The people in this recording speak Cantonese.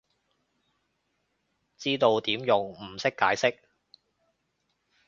知道點用，唔識解釋